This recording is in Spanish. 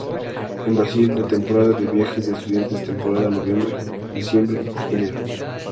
En Brasil, la temporada de Viajes de Estudiantes temporada Noviembre, Diciembre y Enero.